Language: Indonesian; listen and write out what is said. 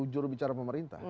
juru bicara pemerintah